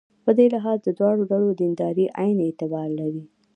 په دې لحاظ د دواړو ډلو دینداري عین اعتبار لري.